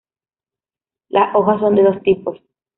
Las hojas son de dos tipos.